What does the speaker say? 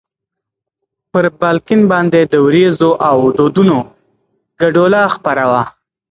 پر بالکن باندې د ورېځو او دودونو ګډوله خپره وه.